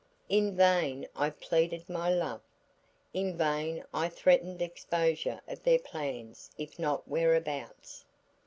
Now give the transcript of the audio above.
In vain I pleaded my love; in vain I threatened exposure of their plans if not whereabouts.